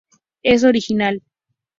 Es original.